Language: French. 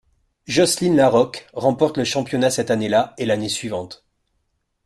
Jocelyne Larocque remporte le championnat cette année là et l'année suivante.